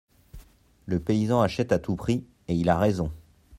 Le paysan achète à tout prix, et il a raison.